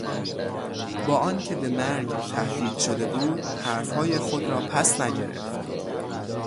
با آنکه به مرگ تهدید شده بود حرفهای خود را پس نگرفت.